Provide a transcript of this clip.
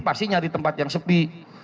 pasti nyari tempat yang sepi